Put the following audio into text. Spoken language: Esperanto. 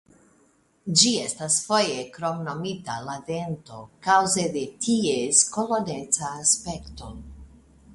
Ĝi estas foje kromnomita "la dento" kaŭze de ties koloneca aspekto.